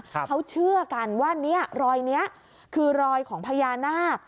เขาเชื่อกันว่าเนี้ยรอยเนี้ยคือรอยของพญานาค